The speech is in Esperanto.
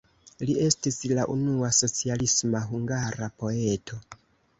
Li estis la unua socialisma hungara poeto.